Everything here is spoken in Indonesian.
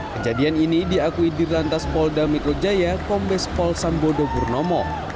kejadian ini diakui di rantas polda mikrojaya kombes pol sambodo gurnomo